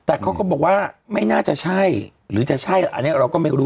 แต่เขาก็บอกว่าไม่น่าจะใช่หรือจะใช่อันนี้เราก็ไม่รู้